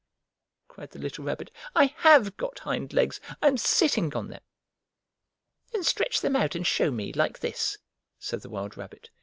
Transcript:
cried the little Rabbit. "I have got hind legs! I am sitting on them!" "Then stretch them out and show me, like this!" said the wild rabbit.